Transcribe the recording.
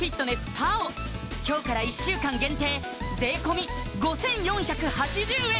今日から１週間限定税込５４８０円